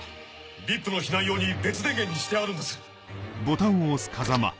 ＶＩＰの避難用に別電源にしてあるんです。